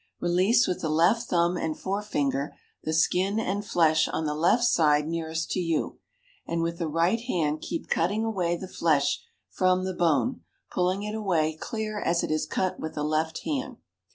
Release with the left thumb and forefinger the skin and flesh on the left side nearest to you, and with the right hand keep cutting away the flesh from the bone, pulling it away clear as it is cut with the left hand.